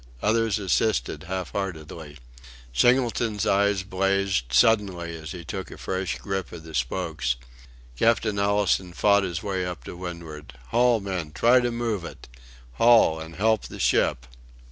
Others assisted half heartedly. Singleton's eyes blazed suddenly as he took a fresh grip of the spokes. Captain Allistoun fought his way up to windward. "Haul, men! Try to move it! Haul, and help the ship."